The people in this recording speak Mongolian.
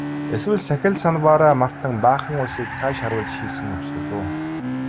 Эсвэл сахил санваараа мартан баахан улсыг цааш харуулж хийсэн хувьсгал уу?